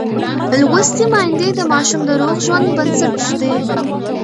لوستې میندې د ماشوم د روغ ژوند بنسټ ږدي.